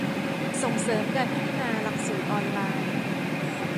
ส่งเสริมการพัฒนาหลักสูตรออนไลน์